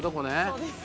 そうです。